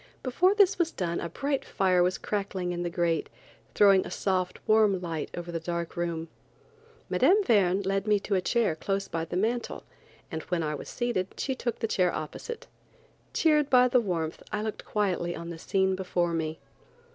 Before this was done a bright fire was crackling in the grate, throwing a soft, warm light over the dark room. Mme. Verne led me to a chair close by the mantel, and when I was seated she took the chair opposite. Cheered by the warmth I looked quietly on the scene before me.